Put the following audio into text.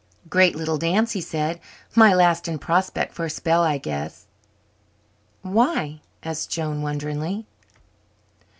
"Great little dance," he said. "My last in Prospect for a spell, I guess." "Why?" asked Joan wonderingly.